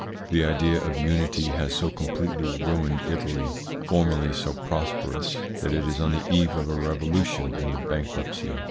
The idea of unity has so completely ruined Italy, formerly so prosperous, that it is on the eve of a revolution and of bankruptcy.